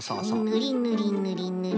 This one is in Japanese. ぬりぬりぬりぬり。